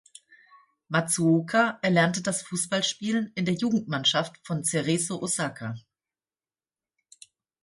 Matsuoka erlernte das Fußballspielen in der Jugendmannschaft von Cerezo Osaka.